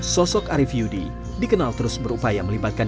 sosok arief yudi dikenal terus berupaya melibatkan